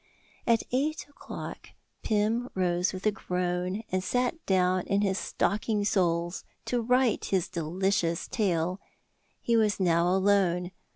At eight o'clock Pym rose with a groan and sat down in his stocking soles to write his delicious tale. He was now alone.